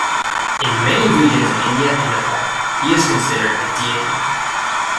In many regions of India and Nepal, he is considered a deity.